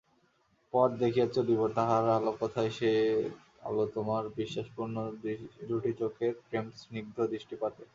পথ দেখিয়া চলিব, তাহার আলো কোথায়–সে আলো তোমার বিশ্বাসপূর্ণ দুটি চোখের প্রেমস্নিগ্ধ দৃষ্টিপাতে।